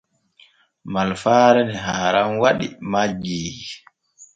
Malfaare ne haaran waɗi majjii.